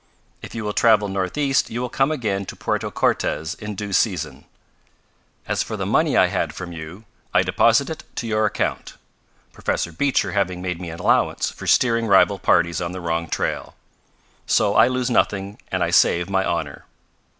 If you will travel northeast you will come again to Puerto Cortes in due season. As for the money I had from you, I deposit it to your credit, Professor Beecher having made me an allowance for steering rival parties on the wrong trail. So I lose nothing, and I save my honor.